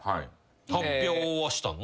発表はしたの？